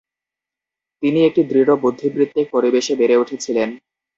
তিনি একটি দৃঢ় বুদ্ধিবৃত্তিক পরিবেশে বেড়ে উঠেছিলেন।